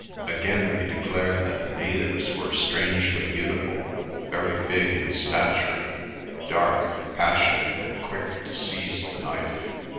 Again, they declared that the natives were strangely beautiful, very big in stature, dark, passionate, and quick to seize the knife.